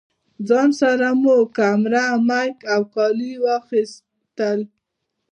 ځان سره مو کېمره، مايک او کالي واخيستل.